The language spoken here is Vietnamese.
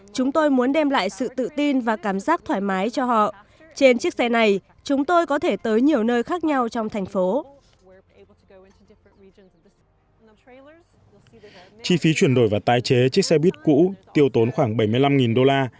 chi phí chuyển đổi và tái chế chiếc xe buýt cũ tiêu tốn khoảng bảy mươi năm đô la